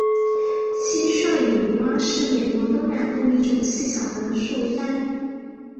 蟋蟀雨蛙是美国东南部一种细小的树蟾。